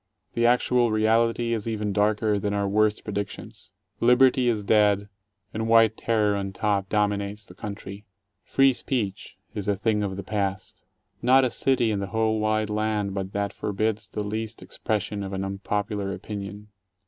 The actual reality is even darker than our worst predictions. Liberty is dead, and white terror on top dominates the country. Free speech is a thing of the past. Not a city in the whole wide land but that forbids the least expres sion of an unpopular opinion.